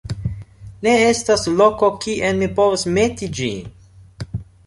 Ne estas loko kien mi povas meti ĝin!